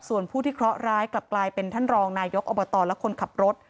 ส่วนผู้ที่เคราะหร้ายกลับกลายเป็นท่านรองนายกอบตและคนขับรถ